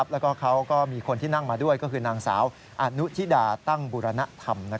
แล้วก็เขาก็มีคนที่นั่งมาด้วยก็คือนางสาวอนุทิดาตั้งบุรณธรรม